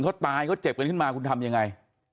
เขาตายเขาเจ็บกันขึ้นมาคุณทำยังไง